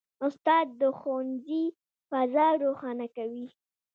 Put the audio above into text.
استاد د ښوونځي فضا روښانه کوي.